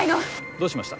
どうしました？